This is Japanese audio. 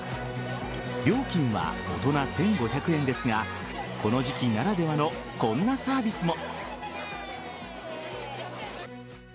料金は大人１５００円ですがこの時期ならではのこんなサービスも。